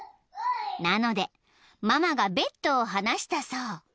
なのでママがベッドを離したそう］